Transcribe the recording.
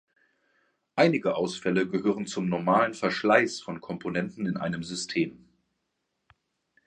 Einige Ausfälle gehören zum normalen Verschleiß von Komponenten in einem System.